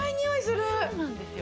そうなんですよ。